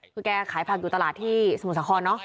คือแกขายผักอยู่ตลาดที่สมุทรสาครเนาะ